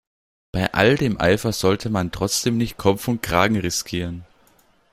Bei all dem Eifer sollte man trotzdem nicht Kopf und Kragen riskieren.